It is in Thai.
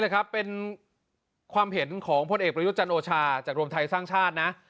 นี่ครับเป็นความเห็นของพลเอกประยุทธ์จันโอชาจากรวมไทยสร้างชาตินะ